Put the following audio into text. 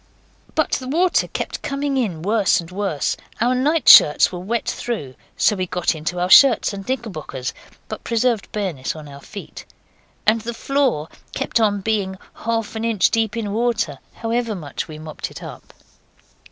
But the water kept coming in worse and worse. Our nightshirts were wet through, so we got into our other shirts and knickerbockers, but preserved bareness in our feet. And the floor kept on being half an inch deep in water, however much we mopped it up.